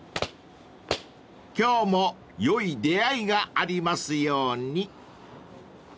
［今日も良い出会いがありますように］